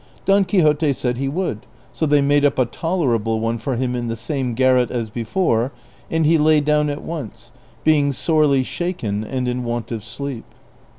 Don Quixote said he would, so they made up a tolerable one for him in the same garret as before ; and he lay down at once, being sorely shaken and in want of sleep.